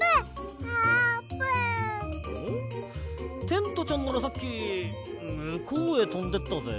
テントちゃんならさっきむこうへとんでったぜ。